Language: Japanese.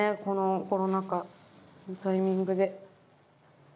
このコロナ禍のタイミングで。